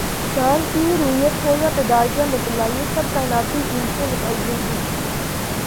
چاند کی رویت ہو یا پیدائش یا مطلع، یہ سب کائناتی علم سے متعین ہوں۔